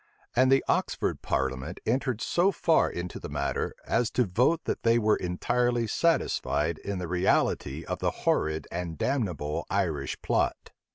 And the Oxford parliament entered so far into the matter, as to vote that they were entirely satisfied in the reality of the horrid and damnable Irish plot.